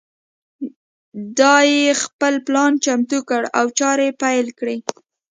دای خپل پلان چمتو کړ او چارې پیل کړې.